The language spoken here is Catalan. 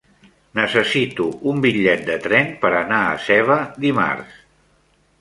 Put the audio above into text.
Necessito un bitllet de tren per anar a Seva dimarts.